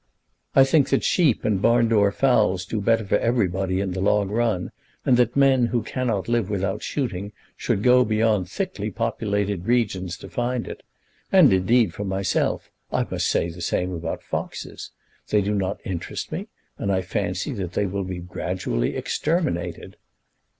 I think that sheep and barn door fowls do better for everybody in the long run, and that men who cannot live without shooting should go beyond thickly populated regions to find it. And, indeed, for myself, I must say the same about foxes. They do not interest me, and I fancy that they will gradually be exterminated."